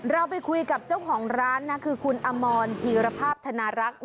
เราไปคุยกับเจ้าของร้านนะคือคุณอมรธีรภาพธนารักษ์